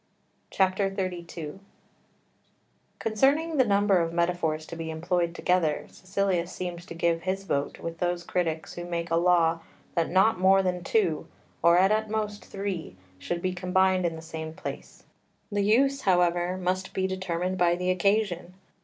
[Footnote 2: vi. 75.] [Footnote 3: vii. 181.] XXXII Concerning the number of metaphors to be employed together Caecilius seems to give his vote with those critics who make a law that not more than two, or at the utmost three, should be combined in the same place. The use, however, must be determined by the occasion.